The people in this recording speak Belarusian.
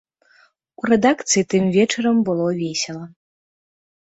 У рэдакцыі тым вечарам было весела.